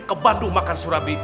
ke bandung makan surabi